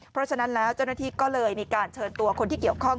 เพราะฉะนั้นแล้วเจ้าหน้าที่ก็เลยมีการเชิญตัวคนที่เกี่ยวข้อง